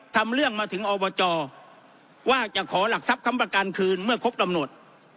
ทำเรื่องมาถึงอบจว่าจะขอหลักทรัพย์ค้ำประกันคืนเมื่อครบกำหนด